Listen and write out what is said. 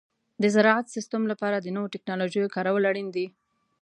د زراعت د سیستم لپاره د نوو تکنالوژیو کارول اړین دي.